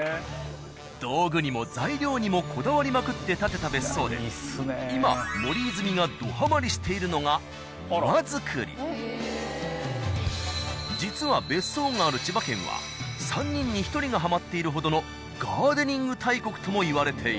道具にも材料にもこだわりまくって建てた別荘で今森泉がどハマりしているのが実は別荘がある千葉県は３人に１人がハマっているほどのガーデニング大国ともいわれている。